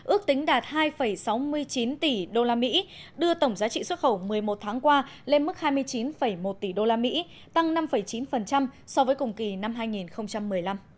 ước tính đạt hai sáu mươi chín tỷ usd đưa tổng giá trị xuất khẩu một mươi một tháng qua lên mức hai mươi chín một tỷ usd tăng năm chín so với cùng kỳ năm hai nghìn một mươi năm